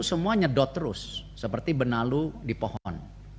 semua nyedot terus seperti benalu di pohon